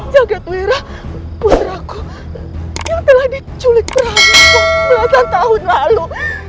jagadwira pun aku yang telah diculik perang dua belas tahun lalu